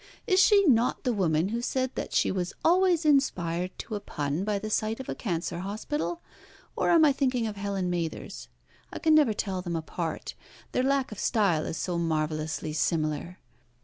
Is she not the woman who said that she was always inspired to a pun by the sight of a cancer hospital? or am I thinking of Helen Mathers? I can never tell them apart their lack of style is so marvellously similar.